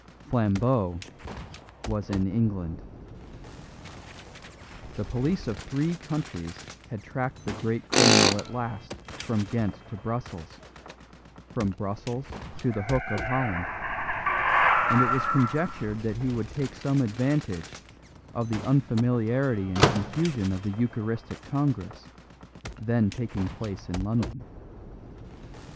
Flambeau was in England. The police of three countries had tracked the great criminal at last from Ghent to Brussels, from Brussels to the Hook of Holland; and it was conjectured that he would take some advantage of the unfamiliarity and confusion of the Eucharistic Congress, then taking place in London.